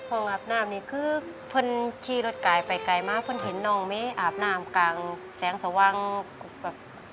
อาบน้ำนี่คือเพื่อนขี่รถไกลไปไกลมาเพื่อนเห็นน้องเมอาบน้ำกลางแสงสว่างแบบ